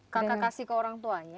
kakak kasih ke orang tuanya